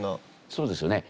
そうですよね。